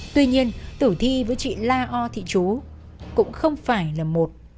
tuy nhiên tử thi với chị la o thị chú cũng không phải là một